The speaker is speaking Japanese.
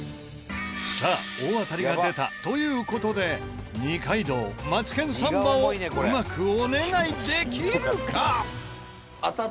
さあ大当たりが出たという事で二階堂『マツケンサンバ』をうまくお願いできるか？